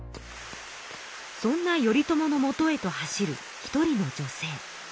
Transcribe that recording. そんな頼朝のもとへと走る一人の女性。